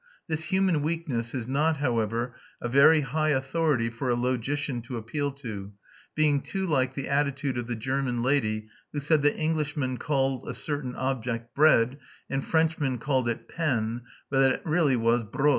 This human weakness is not, however, a very high authority for a logician to appeal to, being too like the attitude of the German lady who said that Englishmen called a certain object bread, and Frenchmen called it pain, but that it really was Brod.